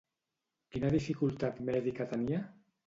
Quina dificultat mèdica tenia?